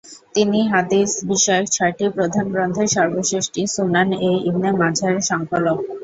তিনি হাদিস বিষয়ক ছয়টি প্রধান গ্রন্থের সর্বশেষটি, সুনান-এ-ইবনে মাজাহ-এর সংকলক।